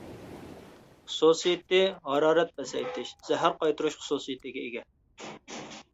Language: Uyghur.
خۇسۇسىيىتى ھارارەت پەسەيتىش، زەھەر قايتۇرۇش خۇسۇسىيىتىگە ئىگە.